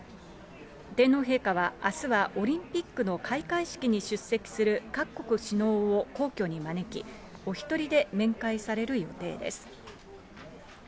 天皇陛下は、あすはオリンピックの開会式に出席する各国首脳を皇居に招き、お一人で面会される予定です。